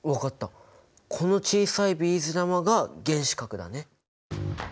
この小さいビーズ玉が原子核だね。